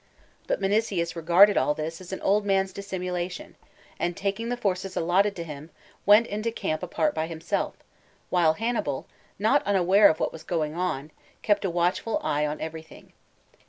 XI. But Minucius regarded all this as an old man's dissimulation, and taking the forces allotted to him, went into camp apart by himself,) while Hannibal, not unaware of what was going on, kept a watchful eye on everything.